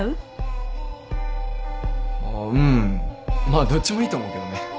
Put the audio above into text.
まあどっちもいいと思うけどね。